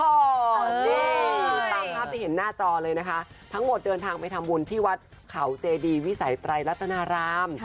นี่ตามภาพที่เห็นหน้าจอเลยนะคะทั้งหมดเดินทางไปทำบุญที่วัดเขาเจดีวิสัยไตรรัตนาราม